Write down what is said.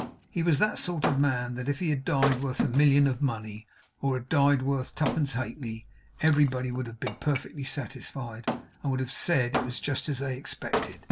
He was that sort of man that if he had died worth a million of money, or had died worth twopence halfpenny, everybody would have been perfectly satisfied, and would have said it was just as they expected.